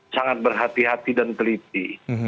sangat berhati hati dan teliti